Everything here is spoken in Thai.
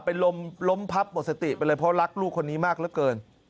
เป็นลมล้มพับหมดสติไปเลยเพราะรักลูกคนนี้มากเหลือเกิน